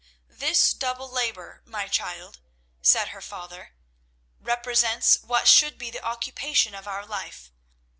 "This double labour, my child," said her father, "represents what should be the occupation of our life.